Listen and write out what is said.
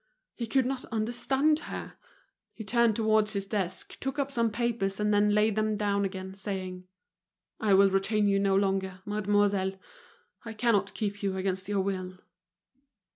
He could not understand her. He turned towards his desk, took up some papers and then laid them down again, saying: "I will retain you no longer, mademoiselle; I cannot keep you against your will."